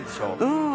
うん！